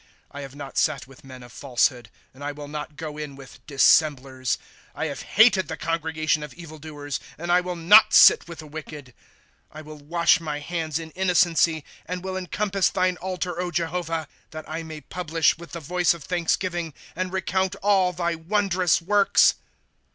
* I have not sat with men of falsehood. And I will not go in with dissemblers, ^ I have hated the congregation of evil doers, And I will not sit with the wicked. * I will wash my hands in innocency, And will encompass thine altar, Jehovah ;^ That I may publish, with the voice of thanksgiving, And recount all thy wondrous works.